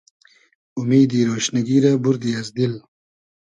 اومیدی رۉشنیگی رۂ بوردی از دیل